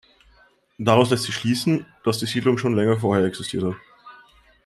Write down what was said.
Daraus lässt sich schließen, dass die Siedlung schon länger vorher existiert hat.